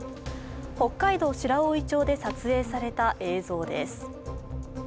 北海道白老町で撮影された映像です。